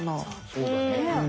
そうだね。